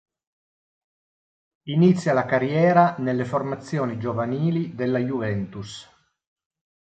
Inizia la carriera nelle formazioni giovanili della Juventus.